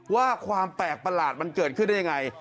ว่าความแปลกประหลาดมันเกิดขึ้นได้ยังไง